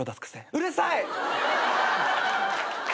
うるさい！